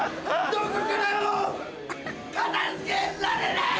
どこからも片付けられない！